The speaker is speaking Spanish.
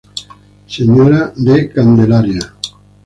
Sra de Candelaria.